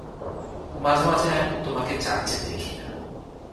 মাঝে মাঝে তোমাকে চার্চে দেখি না।